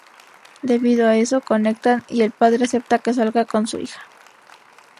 Debido a eso, conectan y el padre acepta que salga con su hija.